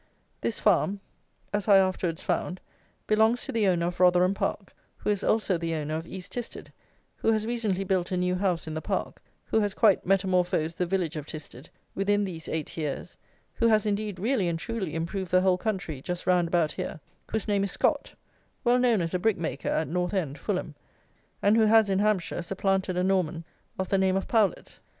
This farm, as I afterwards found, belongs to the owner of Rotherham Park, who is also the owner of East Tisted, who has recently built a new house in the park, who has quite metamorphosed the village of Tisted within these eight years, who has, indeed, really and truly improved the whole country just round about here, whose name is Scot, well known as a brickmaker at North End, Fulham, and who has, in Hampshire, supplanted a Norman of the name of Powlet.